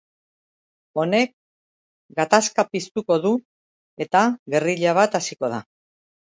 Honek gatazka piztuko du eta gerrilla bat hasiko da.